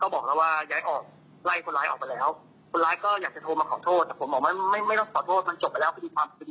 ส่วนที่สงสัยมี๒อย่างนี่ติดทำไมไม่ทำเรื่องอะไรเลย